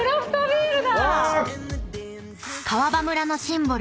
［川場村のシンボル